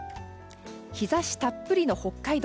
日差したっぷりの北海道。